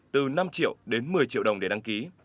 từ năm triệu đến một mươi triệu đồng để đăng ký